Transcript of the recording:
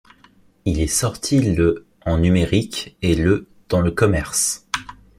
Il est sorti le en numérique et le dans le commerce.